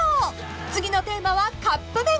［次のテーマはカップ麺］